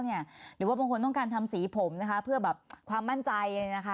หรือว่าบางคนต้องการทำสีผมนะคะเพื่อแบบความมั่นใจ